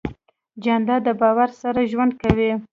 جانداد د باور سره ژوند کوي.